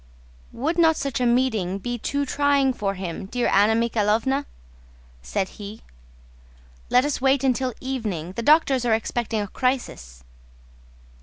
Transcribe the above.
"Would not such a meeting be too trying for him, dear Anna Mikháylovna?" said he. "Let us wait until evening. The doctors are expecting a crisis."